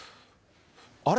あれ？